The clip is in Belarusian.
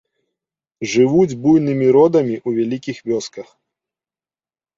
Жывуць буйнымі родамі ў вялікіх вёсках.